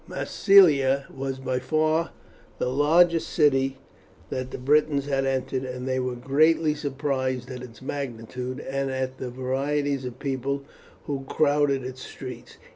Massilia was by far the largest city that the Britons had entered, and they were greatly surprised at its magnitude, and at the varieties of people who crowded its streets.